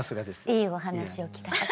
いいお話を聞かせて。